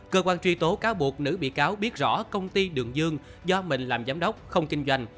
cơ quan truy tố cáo buộc nữ bị cáo biết rõ công ty đường dương do mình làm giám đốc không kinh doanh